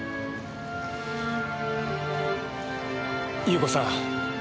優子さん